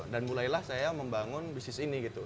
dan mulailah saya membangun bisnis ini gitu